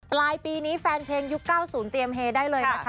ปลายปีนี้แฟนเพลงยุค๙๐เตรียมเฮได้เลยนะคะ